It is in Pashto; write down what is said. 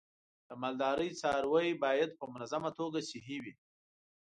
د مالدارۍ څاروی باید په منظمه توګه صحي وي.